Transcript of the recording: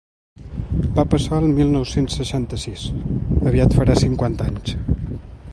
Va passar el mil nou-cents seixanta-sis: aviat farà cinquanta anys.